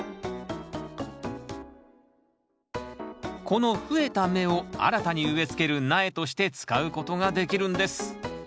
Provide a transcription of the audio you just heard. この増えた芽を新たに植えつける苗として使うことができるんです